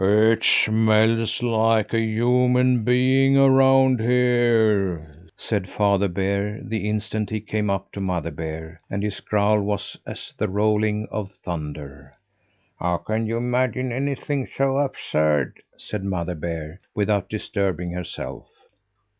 "It smells like a human being around here," said Father Bear the instant he came up to Mother Bear, and his growl was as the rolling of thunder. "How can you imagine anything so absurd?" said Mother Bear without disturbing herself.